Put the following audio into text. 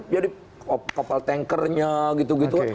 jadi kapal tankernya gitu gitu